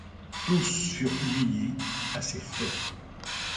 Tous furent publiés à ses frais.